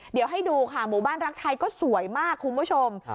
เดี๋ยวให้ดูค่ะหมู่บ้านรักไทยก็สวยมากคุณผู้ชม